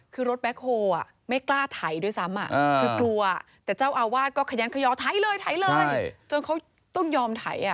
คือรถแบ็คโฮลไม่กล้าไถด้วยซ้ำคือกลัวแต่เจ้าอาวาสก็ขยันขยอไถเลยไถเลยจนเขาต้องยอมไถ